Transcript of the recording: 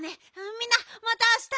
みんなまたあした。